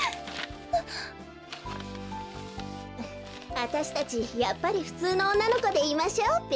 あたしたちやっぱりふつうのおんなのこでいましょうべ。